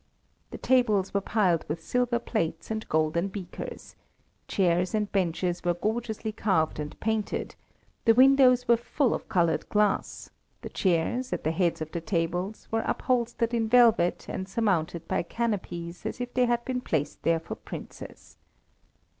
The tables were piled with silver plate and golden beakers; chairs and benches were gorgeously carved and painted; the windows were full of coloured glass; the chairs, at the heads of the tables, were upholstered in velvet and surmounted by canopies as if they had been placed there for princes.